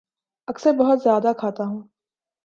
اکثر بہت زیادہ کھاتا ہوں